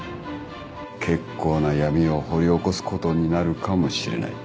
結構な闇を掘り起こすことになるかもしれない。